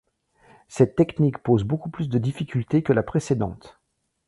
Cette technique pose beaucoup plus de difficultés que la précédente.